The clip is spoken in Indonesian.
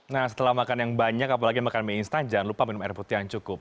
nah setelah makan yang banyak apalagi makan mie instan jangan lupa minum air putih yang cukup